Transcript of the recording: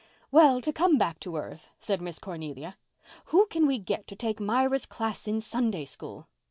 "Well, to come back to earth," said Miss Cornelia, "who can we get to take Myra's class in Sunday School?